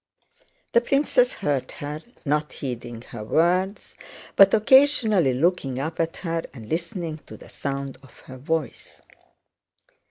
The princess heard her, not heeding her words but occasionally looking up at her and listening to the sound of her voice.